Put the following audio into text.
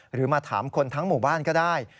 หรือมาถามคนทั้งหมู่บ้านก็ได้